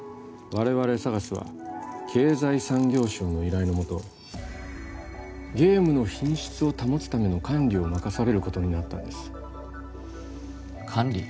我々ＳＡＧＡＳは経済産業省の依頼のもとゲームの品質を保つための管理を任されることになったんです管理？